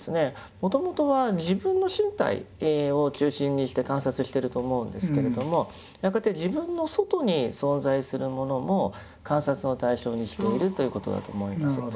もともとは自分の身体を中心にして観察していると思うんですけれどもやがて自分の外に存在するものも観察の対象にしているということだと思います。